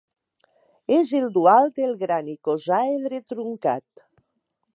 És el dual del gran icosàedre truncat.